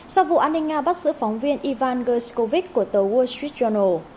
sau vụ an ninh nga bắt giữ phóng viên ivan gorshkovich của tờ wall street journal